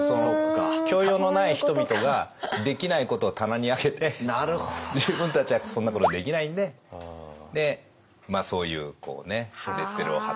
教養のない人々ができないことを棚に上げて自分たちはそんなことできないんでそういうねレッテルを貼った。